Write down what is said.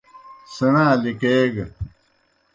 سیْݨا لِکیگہ۔